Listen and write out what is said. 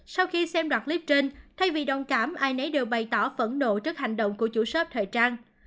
sau khi xem đoạn clip trên thay vì đồng cảm ai nấy đều bày tỏ phẫn nộ trước hành động của chủ shop thời trang